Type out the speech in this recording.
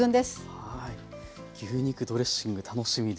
牛肉ドレッシング楽しみです。